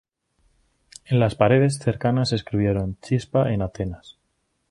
En las paredes cercanas escribieron "Chispa en Atenas.